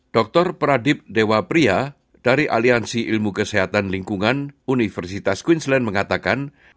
dr pradip dewa pria dari aliansi ilmu kesehatan lingkungan universitas queensland mengatakan